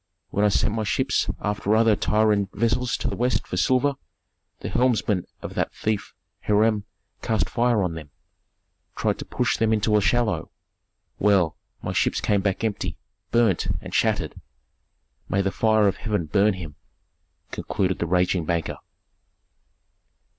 When I sent my ships after other Tyrian vessels to the west for silver, the helmsmen of that thief Hiram cast fire on them, tried to push them into a shallow. Well, my ships came back empty, burnt, and shattered. May the fire of heaven burn him!" concluded the raging banker.